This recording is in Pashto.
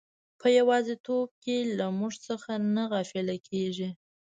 په یوازیتوب کې له موږ څخه نه غافله کیږي.